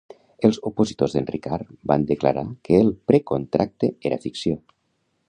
Els opositors d'en Ricard van declarar que el precontracte era ficció.